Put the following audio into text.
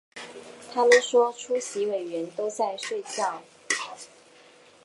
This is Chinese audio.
他们说出席委员都在睡觉